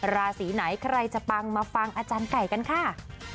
ราศีไหนใครจะปังมาฟังอาจารย์ไก่กันค่ะ